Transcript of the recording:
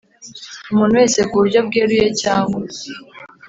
Umuntu wese ku buryo bweruye cyangwa